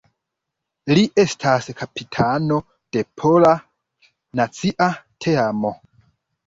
Li estas kapitano de pola nacia teamo.